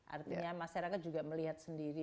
artinya masyarakat juga melihat sendiri